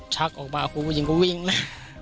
ชักออกมาครูผู้หญิงก็วิ่งนะ